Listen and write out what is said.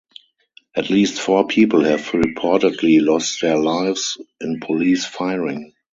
At least four people have reportedly lost their lives in police firing.